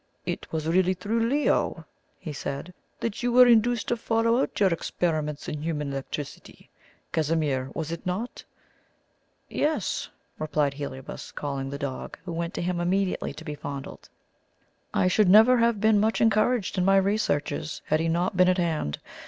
"It was really through Leo," he said, "that you were induced to follow out your experiments in human electricity, Casimir, was it not?" "Yes," replied Heliobas, calling the dog, who went to him immediately to be fondled. "I should never have been much encouraged in my researches, had he not been at hand.